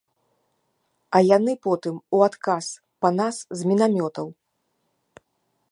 А яны потым у адказ па нас з мінамётаў.